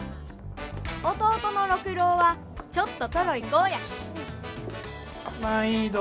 弟の六郎はちょっとトロい子やまいど。